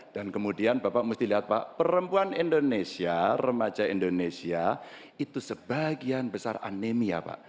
dan kemudian bapak mesti lihat pak perempuan indonesia remaja indonesia itu sebagian besar anemia pak